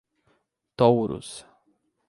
Touros